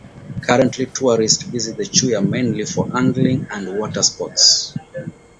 Currently tourists visit the Chuya mainly for angling and watersports.